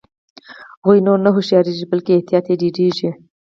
هغوی نور نه هوښیاریږي بلکې احتیاط یې ډیریږي.